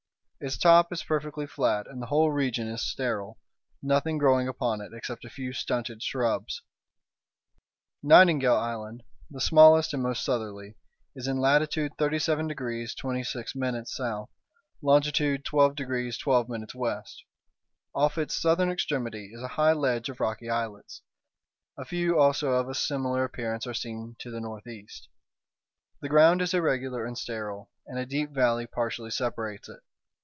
Its top is perfectly flat, and the whole region is sterile, nothing growing upon it except a few stunted shrubs. Nightingale Island, the smallest and most southerly, is in latitude 37 degrees 26' S., longitude 12 degrees 12' W. Off its southern extremity is a high ledge of rocky islets; a few also of a similar appearance are seen to the northeast. The ground is irregular and sterile, and a deep valley partially separates it.